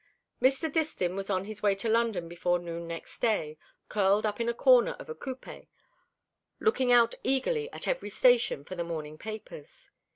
Mr. Distin was on his way to London before noon next day, curled up in a corner of a coupé, looking out eagerly at every station for the morning papers.